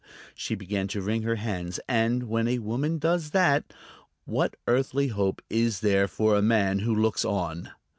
She began to wring her hands, and when a woman does that what earthly hope is there for the man who looks on?